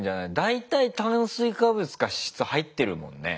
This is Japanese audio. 大体炭水化物か脂質入ってるもんね。